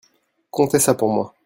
Contez ça pour moi.